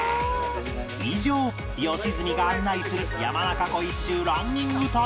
以上良純が案内する山中湖一周ランニング旅でした